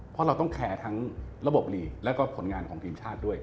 เพราะเราต้องแคร์ทั้งระบบลีกแล้วก็ผลงานของทีมชาติด้วย